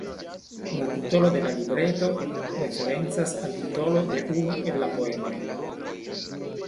La titolo de la libreto referencas al titolo de unu el la poemoj.